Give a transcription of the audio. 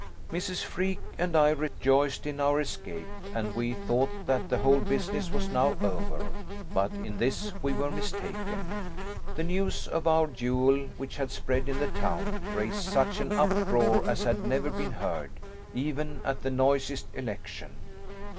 "Mrs. Freke and I rejoiced in our escape, and we thought that the whole business was now over; but in this we were mistaken. The news of our duel, which had spread in the town, raised such an uproar as had never been heard, even at the noisiest election.